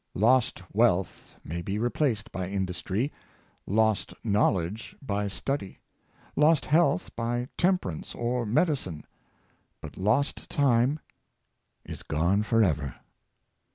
Lost wealth may be replaced by industry, lost knowledge by study, lost health by temperance or medicine, but lost time is gone forever.